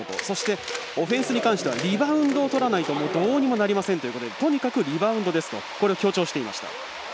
そして、オフェンスに関してはリバウンドをとらないとどうにもなりませんということでとにかくリバウンドですとこれを強調していました。